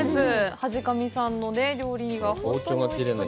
はじかみさんの料理が本当においしくて。